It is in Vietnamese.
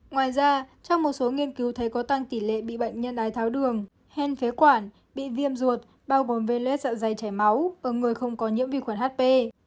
ngoài ra trong một số nghiên cứu thấy có tăng tỷ lệ bị bệnh nhân đái tháo đường hen phế quản bị viêm ruột bao gồm veld sợ dây chảy máu ở người không có nhiễm vi khuẩn hp